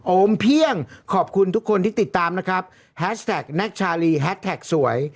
มเพียงขอบคุณทุกคนที่ติดตามนะครับแฮชแท็กแน็กชาลีแฮสแท็กสวย